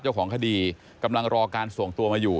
เจ้าของคดีกำลังรอการส่งตัวมาอยู่